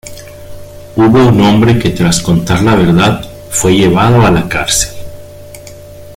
Hubo un hombre que tras contar la verdad fue llevado a la cárcel.